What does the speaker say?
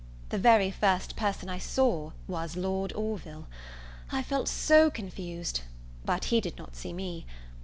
The very first person I saw was Lord Orville. I felt so confused! but he did not see me.